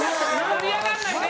盛り上がらないで！